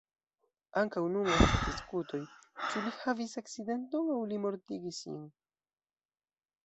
Ankaŭ nun estas diskutoj, ĉu li havis akcidenton, aŭ li mortigis sin?